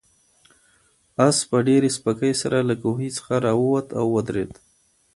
آس په ډېرې سپکۍ سره له کوهي څخه راووت او ودرېد.